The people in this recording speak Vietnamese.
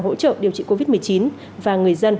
hỗ trợ điều trị covid một mươi chín và người dân